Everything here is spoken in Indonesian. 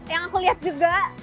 yang aku lihat juga